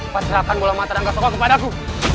pasirkan bola mata rangga soka kepada aku